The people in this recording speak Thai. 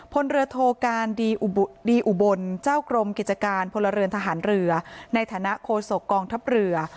พลเรือโทการดีอุบลเจ้ากรมกิจการพลเรือนทหารเรือในฐานะโคศกกองทัพเรือ